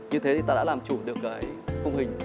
như thế thì ta đã làm chủ được cái mô hình